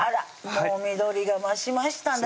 もう緑が増しましたね